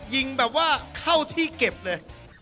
ยิงแบบว่าเข้าที่เก็บเลย